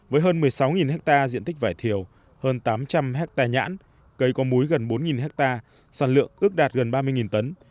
với hơn một mươi sáu ha diện tích vải thiều hơn tám trăm linh hectare nhãn cây có múi gần bốn hectare sản lượng ước đạt gần ba mươi tấn